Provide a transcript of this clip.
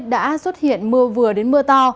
đã xuất hiện mưa vừa đến mưa to